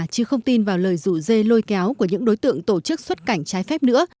chứ không tin vào lời rủ dê lôi kéo của những đối tượng tổ chức xuất cảnh trái phép nữa